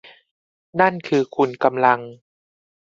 นั่นคือคุณกำลัง